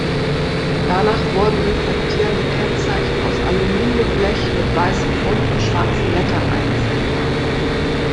Danach wurden reflektierende Kennzeichen aus Aluminiumblech mit weißem Grund und schwarzen Lettern eingeführt.